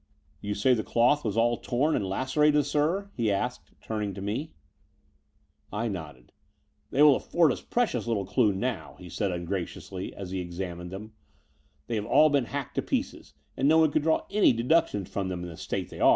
*'You say the cloth was all torn and lacerated, sir?" he asked, turning to me. The Brighton Road 65 )ower I nodded. ; wai They will afford us precious little clue now, '' he vent said ungraciously, as he examined them. They tte have all been hacked to pieces; and no one could cm draw any deductions from them in the state they they axe."